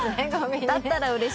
だったらうれしいです。